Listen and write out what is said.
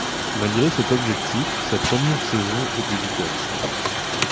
Malgré cet objectif, sa première saison est délicate.